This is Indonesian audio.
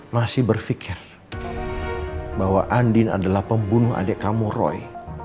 masih berpikir bahwa andin adalah pembunuh adik kamu roy